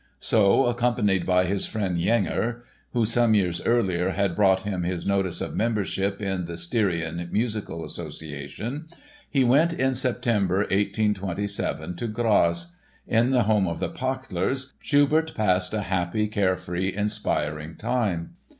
So accompanied by his friend Jenger (who some years earlier had brought him his notice of membership in the Styrian Musical Association) he went in September, 1827, to Graz. In the home of the Pachlers, Schubert passed a happy, carefree, inspiring time.